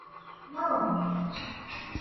ٻچڙيوال مِنک ڪيسي دو دو دن ريه سگدوئيٚ ٻچآئينٚ بنآ